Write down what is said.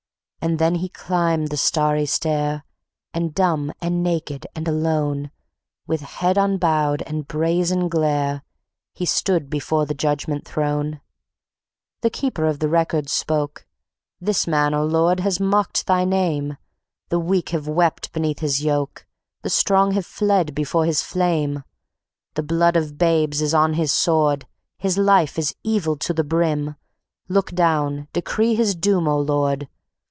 And then he climbed the Starry Stair, And dumb and naked and alone, With head unbowed and brazen glare, He stood before the Judgment Throne. The Keeper of the Records spoke: "This man, O Lord, has mocked Thy Name. The weak have wept beneath his yoke, The strong have fled before his flame. The blood of babes is on his sword; His life is evil to the brim: Look down, decree his doom, O Lord!